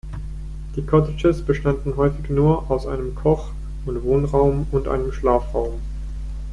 Die Cottages bestanden häufig nur aus einem Koch- und Wohnraum und einem Schlafraum.